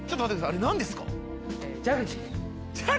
あれ何ですか？